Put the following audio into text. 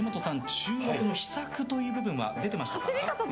注目の秘策の部分は出てましたか？